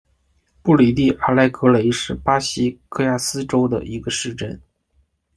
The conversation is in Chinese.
布里蒂阿莱格雷是巴西戈亚斯州的一个市镇。